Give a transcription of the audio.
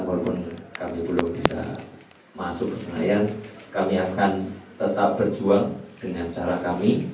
walaupun kami belum bisa masuk ke senayan kami akan tetap berjuang dengan cara kami